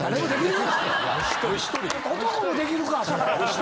男もできるか！